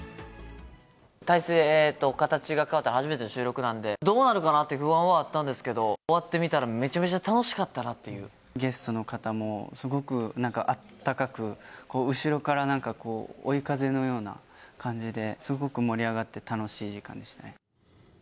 体制と形が変わって初めての収録なんで、どうなるかなという不安はあったんですけど、終わってみたらめちゲストの方もすごく、なんかあったかく、後ろから、なんかこう、追い風のような感じで、すごく盛り上がって楽しい時間でしたね。